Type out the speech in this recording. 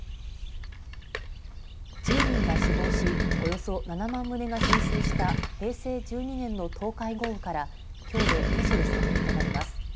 １０人が死亡しおよそ７万棟が浸水した平成１２年の東海豪雨からきょうで２３年となります。